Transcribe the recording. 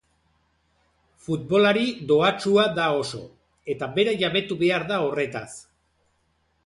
Futbolari dohatsua da oso eta bera jabetu behar da horretaz.